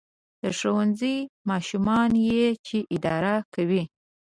• د ښوونځي ماشومان یې چې اداره کوي.